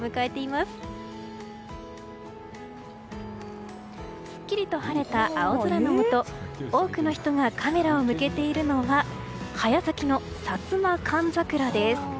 すっきりと晴れた青空のもと多くの人がカメラを向けているのは早咲きのサツマカンザクラです。